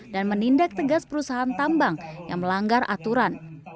dan menindak tegas perusahaan tambang yang melanggar aturan